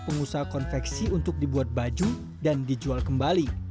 pengusaha konveksi untuk dibuat baju dan dijual kembali